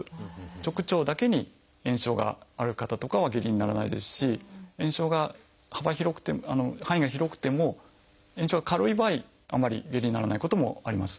直腸だけに炎症がある方とかは下痢にならないですし炎症が幅広くて範囲が広くても炎症が軽い場合あんまり下痢にならないこともあります。